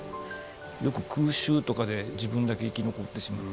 よく空襲とかで自分だけ生き残ってしまった。